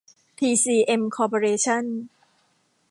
ทีซีเอ็ม คอร์ปอเรชั่น